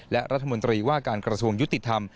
และรัฐมนตรีว่าการกระทรวงยุติธรรม